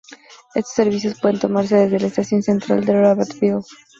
Estos servicios pueden tomarse desde la estación central de Rabat Ville.